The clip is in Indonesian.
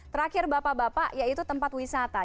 terakhir bapak bapak yaitu tempat wisata